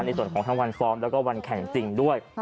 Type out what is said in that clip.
นี่ส่วนของทั้งวันฟอร์มแล้วก็วันแข่งจริงด้วย